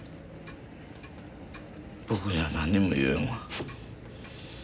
僕には何にも言えんわ。